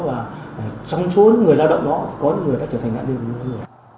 và trong số những người lao động đó thì có những người đã trở thành nạn nhân